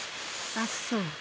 あっそう。